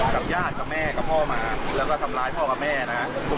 กับญาติกับแม่กับพ่อมาแล้วก็ทำร้ายพ่อกับแม่นะครับ